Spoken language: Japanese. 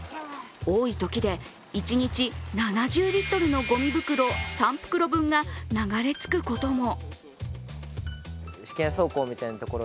多いときで一日７０リットルのごみ袋３袋分が流れ着くことも。